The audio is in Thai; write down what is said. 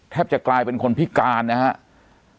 จะกลายเป็นคนพิการนะครับ